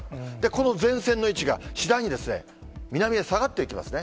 この前線の位置が次第にですね、南へ下がっていきますね。